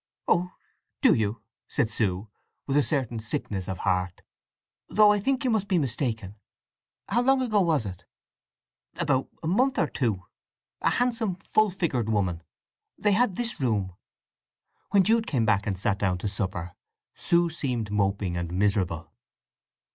"Oh do you?" said Sue, with a certain sickness of heart. "Though I think you must be mistaken! How long ago was it?" "About a month or two. A handsome, full figured woman. They had this room." When Jude came back and sat down to supper Sue seemed moping and miserable.